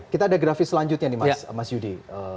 kita ada grafis selanjutnya nih mas yudi